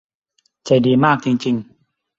ใจดีมากจริง ๆ